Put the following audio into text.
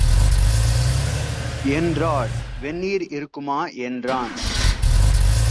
என்றாள். "வெந்நீர் இருக்குமா" என்றான்.